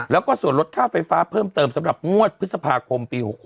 แล้วก็ส่วนลดค่าไฟฟ้าเพิ่มเติมสำหรับงวดพฤษภาคมปี๖๖